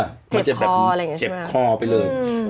เจ็บคออะไรอย่างงี้ใช่ไหมมันจะแบบเจ็บคอไปเลยอืมอืม